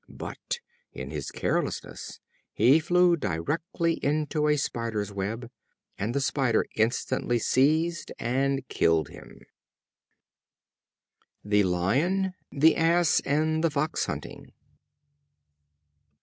But, in his carelessness, he flew directly into a spider's web, and the spider instantly seized and killed him. The Lion, the Ass and the Fox Hunting.